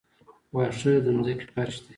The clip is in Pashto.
واښه د ځمکې فرش دی